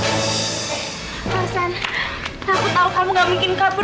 aksan aku tahu kamu gak mungkin kabur